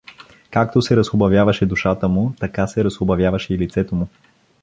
Както се разхубавяваше душата му, така се разхубавяваше и лицето му.